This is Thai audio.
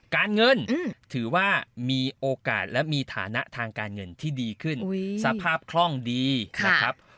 การเงินถือว่ามีโอกาสและมีฐานะทางการเงินที่ดีขึ้นสภาพคล่องดีนะครับ